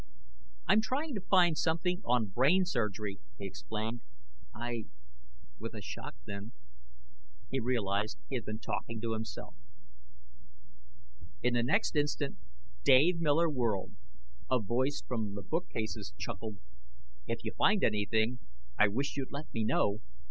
"I'm trying to find something on brain surgery," he explained. "I " With a shock, then, he realized he had been talking to himself. In the next instant, Dave Miller whirled. A voice from the bookcases chuckled: "If you find anything, I wish you'd let me know.